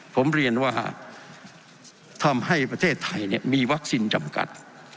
ผมเรียนว่าทำให้ประเทศไทยมีวัคซีนจำกัด